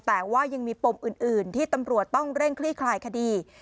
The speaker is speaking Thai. แต่ว่ายังมีปมอื่นที่ตำรวจต้องเร่งคลี่คลายคดี